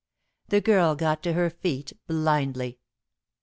The girl got to her feet blindly.